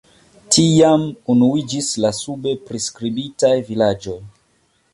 Tiam unuiĝis la sube priskribitaj vilaĝoj.